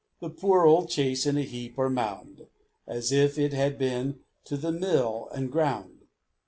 The poor old chaise in a heap or mound, As if it had been to the mill and ground!